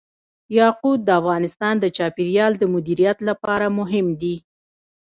یاقوت د افغانستان د چاپیریال د مدیریت لپاره مهم دي.